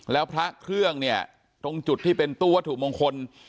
แล้วพระเครื่องเนี่ยตรงจุดที่เป็นตู้วัตถุมงคล